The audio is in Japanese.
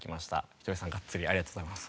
ひとりさんガッツリありがとうございます。